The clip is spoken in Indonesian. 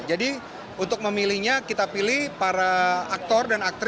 jadi untuk memilihnya kita pilih para aktor dan aktris